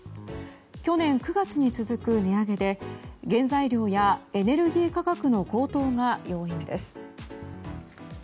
去年９月に続く値上げで原材料やエネルギー価格の高騰が要因です。